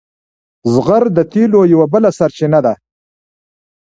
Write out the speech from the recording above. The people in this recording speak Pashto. زغر د تیلو یوه بله سرچینه ده.